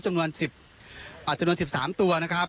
จำนวน๑๓ตัวนะครับ